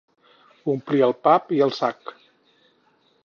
Omplir el pap i el sac.